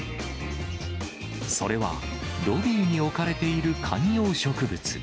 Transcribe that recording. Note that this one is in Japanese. それは、ロビーに置かれている観葉植物。